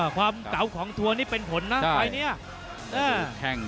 ความเก๋าของทัวร์นี้เป็นผลนะ